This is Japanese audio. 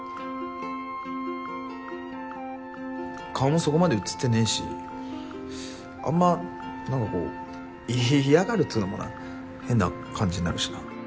顔もそこまで写ってねぇしあんま何かこう嫌がるっつうのもな変な感じになるしな。